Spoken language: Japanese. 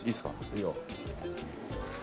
いいよ。